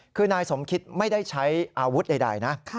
คือนายสมคิตไม่ได้ใช้อาวุธใดนะ